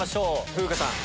風花さん